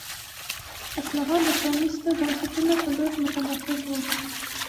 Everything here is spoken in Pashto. اصلاحات د پرانیستو بنسټونو په لور متمرکز وو.